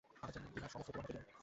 আজ আমি ইহার সমস্তই তোমার হাতে দিব।